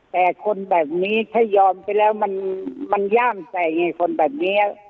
แต่คนแบบนี้ถ้ายอมไปแล้วมันย่ามใจไงคนแบบนี้